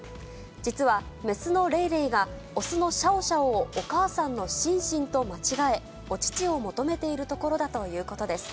実は、雌のレイレイが雄のシャオシャオをお母さんのシンシンと間違え、お乳を求めているところだということです。